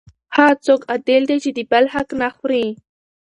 هغه څوک عادل دی چې د بل حق نه خوري.